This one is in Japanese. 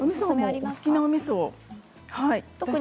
お好きなおみそで。